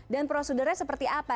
dan prosedurnya seperti apa